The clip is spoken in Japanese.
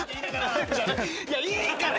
いやいいから！